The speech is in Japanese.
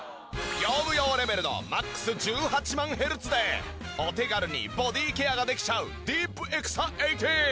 業務用レベルのマックス１８万ヘルツでお手軽にボディーケアができちゃうディープエクサ１８。